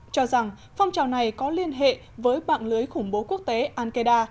cho rằng phong trào này có liên hệ với bạn lưới khủng bố quốc tế al qaeda